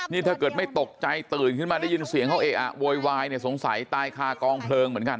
นี่ถ้าเกิดไม่ตกใจตื่นขึ้นมาได้ยินเสียงเขาเอะอะโวยวายเนี่ยสงสัยตายคากองเพลิงเหมือนกัน